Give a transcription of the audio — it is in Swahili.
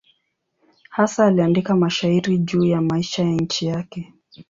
Hasa aliandika mashairi juu ya maisha ya nchi yake.